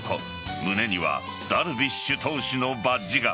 胸にはダルビッシュ投手のバッジが。